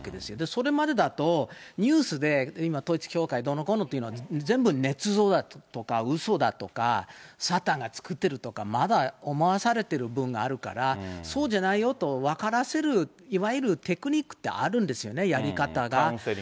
それまでだと、ニュースで今、統一教会どうのこうのっていうのは、全部ねつ造だとか、うそだとか、サタンが作ってるとか、まだ思わされている部分あるから、そうじゃないよと分からせる、いわゆるテクニックってあるんですよね、やり方が。